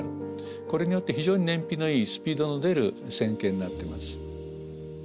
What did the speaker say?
これによって非常に燃費のいいスピードの出る船型になってます。